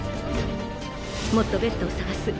もっとベッドを探す。